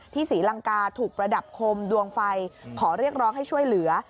ศรีลังกาถูกประดับคมดวงไฟขอเรียกร้องให้ช่วยเหลือ